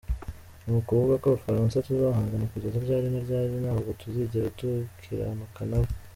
Ni ukuvuga ko Abafaransa tuzahangana kugeza ryari na ryari, ntabwo tuzigera dukiranuka nabo.